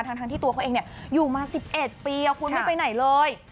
ทางทางที่ตัวเขาเองเนี้ยอยู่มาสิบเอ็ดปีเอาคุณไม่ไปไหนเลย